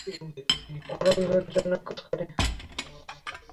ওরা বিপদজনক কাজ করে।